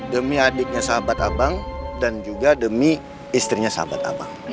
demi adiknya sahabat abang dan juga demi istrinya sahabat abang